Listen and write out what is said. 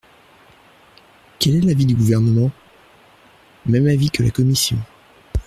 Quel est l’avis du Gouvernement ? Même avis que la commission.